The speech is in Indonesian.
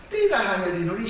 tidak hanya di indonesia